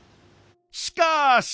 しかし！